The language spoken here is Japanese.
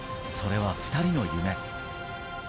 それは２人の夢。